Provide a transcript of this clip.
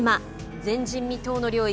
前人未到の領域